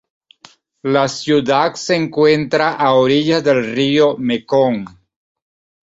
La ciudad se encuentra a orillas del río Mekong.